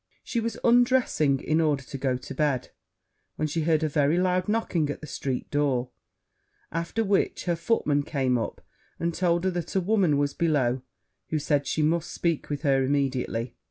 She was undressing, in order to go to bed, when she heard a very loud knocking at the street door; after which her footman came up, and told her that a woman was below, who said she must speak with her immediately.